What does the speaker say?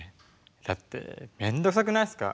だって面倒くさくないっすか？